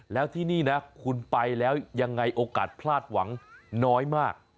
แล้วที่นี่นะคุณไปแล้วยังไงโอกาสพลาดหวังน้อยมาก